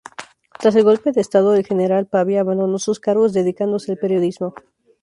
Tras el golpe de Estado del general Pavía abandonó sus cargos, dedicándose al periodismo.